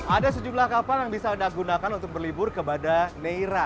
ada sejumlah kapal yang bisa anda gunakan untuk berlibur kepada neira